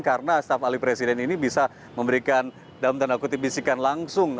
karena staf ahli presiden ini bisa memberikan dalam tanda kutip bisikan langsung